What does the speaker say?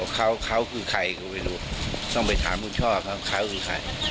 เขาเขาคือใครก็ไม่รู้ต้องไปถามคุณช่อเขาคือใคร